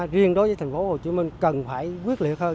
riêng đối với thành phố hồ chí minh cần phải quyết liệt hơn